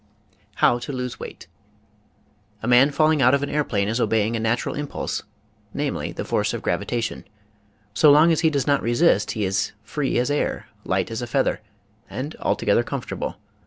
HOW TO LOSE WEIGHT A man falling out of an airplane is obeying a natu ral impulse, namely, the force of gravitation. So long as he does not resist he is free as air, light as a feather, and altogether comfortable.